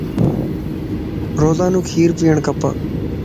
روزانو کير پيئڻ کپا